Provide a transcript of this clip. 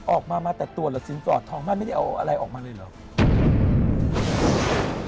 ออกมามาแต่ตัวหรือสินสอดทองมั่นไม่ได้เอาอะไรออกมาเลยเหรอ